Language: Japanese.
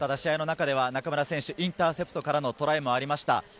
試合の中では中村選手、インターセプトからのトライもありました。